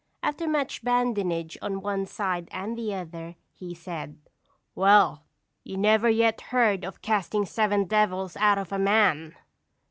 After much badinage on one side and the other, he said: "Well, you never yet heard of casting seven devils out of a man."